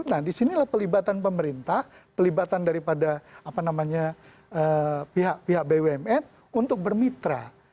nah di sinilah pelibatan pemerintah pelibatan dari pihak bumn untuk bermitra